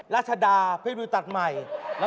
รัชดาพี่บิวตัดใหม่